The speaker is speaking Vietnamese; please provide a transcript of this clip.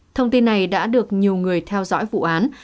thông tin này đã được nhiều người theo dõi vụ án